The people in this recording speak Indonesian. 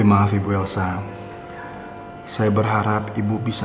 anakmu selalu kuat ya